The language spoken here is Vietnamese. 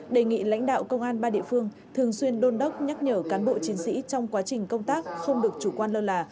đề nghị lãnh đạo công an ba địa phương thường xuyên đôn đốc nhắc nhở cán bộ chiến sĩ trong quá trình công tác không được chủ quan lơ là